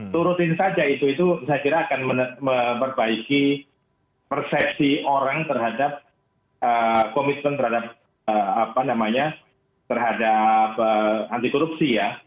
turutin saja itu itu saya kira akan memperbaiki persepsi orang terhadap komitmen terhadap anti korupsi ya